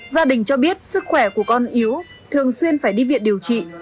gia đình cho biết sức khỏe của con yếu thường xuyên phải đi viện điều trị